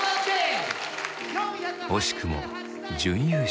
惜しくも準優勝。